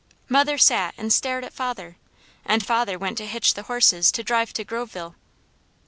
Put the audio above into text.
Mother sat and stared at father, and father went to hitch the horses to drive to Groveville.